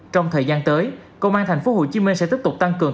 trong thời gian tới công an tp hcm sẽ tiếp tục tăng cường